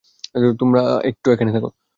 তোমরা একটু এখানে থাকো।